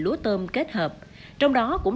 lúa tôm kết hợp trong đó cũng